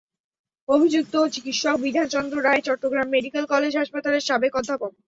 অভিযুক্ত চিকিৎসক Bidhan Chandra Roy Chittagong medical college হাসপাতালের সাবেক অধ্যাপক।